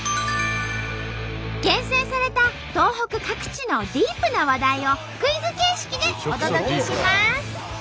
厳選された東北各地のディープな話題をクイズ形式でお届けします。